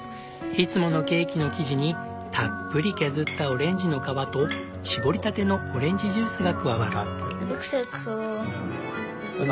いつものケーキの生地にたっぷり削ったオレンジの皮と搾りたてのオレンジジュースが加わる。